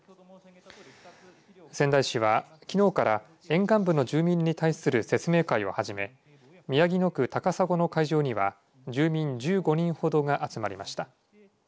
仙台市は、きのうから沿岸部の住民に対する説明会を始め宮城野区高砂の会場には住民１５人ほどが集まりました。